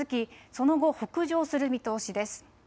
その後、北上する見通しです。